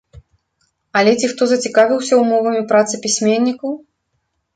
Але ці хто зацікавіўся ўмовамі працы пісьменнікаў?